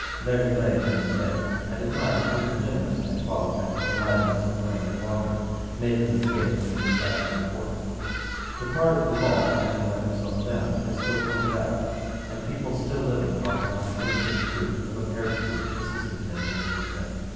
There he lay during the day, and at night, with the generous and politic connivance of Murray and Walker, made his escape in the disguise of a porter, The part of the wall from which he let himself down is still pointed out; and people still living talk of having tasted the fruit of a pear tree which assisted him in his descent.